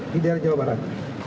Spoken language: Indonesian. di daerah jawa barat